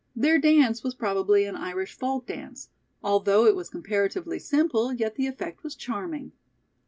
Their dance was probably an Irish folk dance, although it was comparatively simple yet the effect was charming.